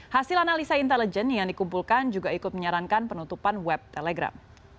hasil analisa intelijen yang dikumpulkan juga ikut menyarankan penutupan web telegram